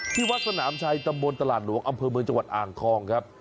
ที่วัดสนามชัยตำบลตลาดหลวงอำเภอเมืองจังหวัดอ่างทองครับ